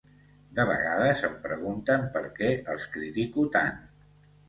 De vegades em pregunten per què els critico tant.